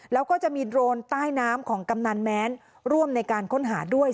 แล้วก็จะมีโดรนใต้น้ำของกำนันแม้นร่วมในการค้นหาด้วย